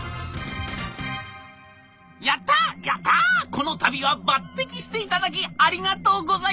このたびは抜てきしていただきありがとうございます！